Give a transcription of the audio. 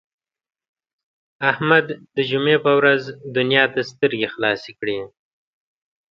احمد د جمعې په ورځ دنیا ته سترګې خلاصې کړې.